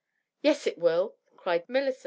" Yes, it will !" cried Mildred.